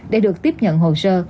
để được tiếp nhận hồ sơ